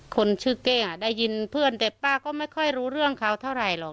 คนชื่อเก้งได้ยินเพื่อนแต่ป้าก็ไม่ค่อยรู้เรื่องเขาเท่าไหร่หรอก